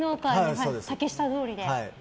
竹下通りで。